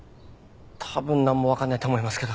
たぶん何も分かんないと思いますけど。